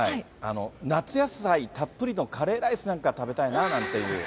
夏野菜たっぷりのカレーライスなんか食べたいななんていう。